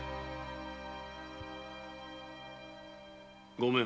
・ごめん。